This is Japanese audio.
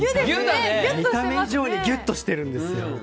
見た目以上にギュッとしてるんですよ。